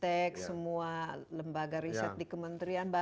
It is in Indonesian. kemudian cambridge tech semua lembaga riset di kementerian